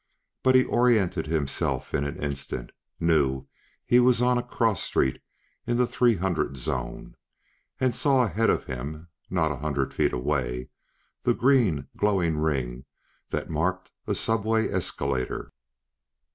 But he oriented himself in an instant; knew he was on a cross street in the three hundred zone; and saw ahead of him, not a hundred feet away, the green, glowing ring that marked a subway escalator.